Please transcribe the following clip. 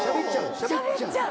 しゃべっちゃう！